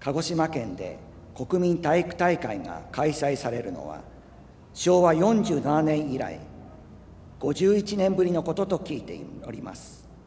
鹿児島県で国民体育大会が開催されるのは、昭和４７年以来５１年ぶりのことと聞いております。